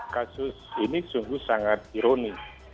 kasus ini sungguh sangat ironis